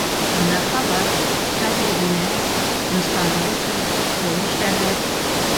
Бына халат, хәҙер үҙеңә... тынысланыу өсөн... укол эшләрҙәр...